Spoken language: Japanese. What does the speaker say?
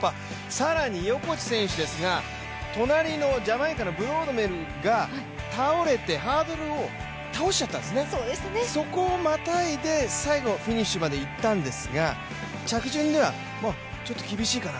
更に横地選手ですが、隣のジャマイカのブロードベルが倒れてハードルを倒しちゃったんですよね、そこをまたいで最後、フィニッシュまで行ったんですが、着順ではちょっと厳しいかな。